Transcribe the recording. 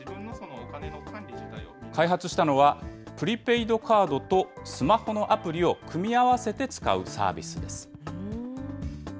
開発したのは、プリペイドカードとスマホのアプリを組み合わせて使うサービスです。